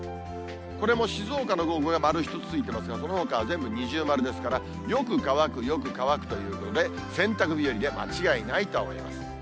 これも静岡の午後が丸１つついていますが、そのほかは全部二重丸ですから、よく乾く、よく乾くということで、洗濯日和で間違いないと思います。